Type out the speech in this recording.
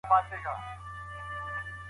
که ښځې قاضیانې شي نو عدالت نه پاتې کیږي.